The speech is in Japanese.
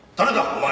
お前。